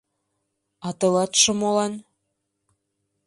А тылатше молан?